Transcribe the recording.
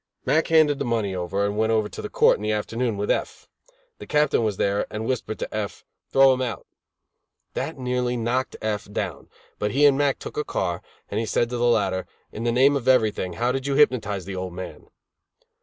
Mack handed the money over, and went over to court in the afternoon with F . The Captain was there, and whispered to F : "Throw him out." That nearly knocked F down, but he and Mack took a car, and he said to the latter: "In the name of everything how did you hypnotize the old man?"